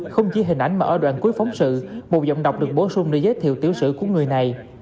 không chỉ hình ảnh mà ở đoạn cuối phóng sự một giọng đọc được bổ sung để giới thiệu tiểu sử của người này